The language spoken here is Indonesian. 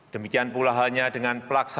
demikian pula halnya dengan pemerintah bersama